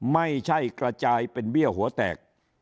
ไม่ใช่กระจายเป็นเบี้ยหัวแตก